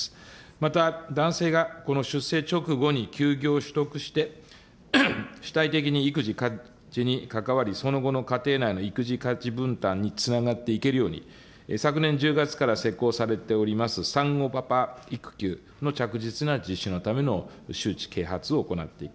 また男性が子の出生直後に休業を取得して、主体的に育児・家事に関わり、その後の家庭内の育児・家事分担につながっていけるように、昨年１０月から施行されております、産後パパ育休の着実な実施のための周知、啓発を行っていく。